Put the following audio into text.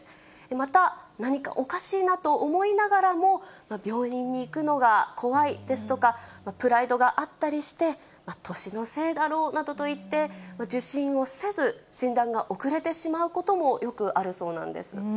また、何かおかしいなと思いながらも、病院に行くのが怖いですとか、プライドがあったりして、年のせいだろうなどと言って、受診をせず、診断が遅れてしまうこともよくあるそうなんです。